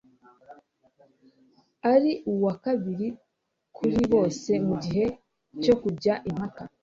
Ari uwa kabiri kuri bose mugihe cyo kujya impaka